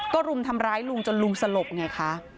ก็รุมทำร้ายลุงจนลุงสลบไงคะ